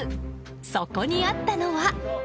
そこにあったのは。